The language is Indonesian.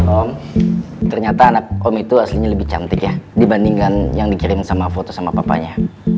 om ternyata anak om itu aslinya lebih cantik ya dibandingkan yang dikirim sama foto sama papanya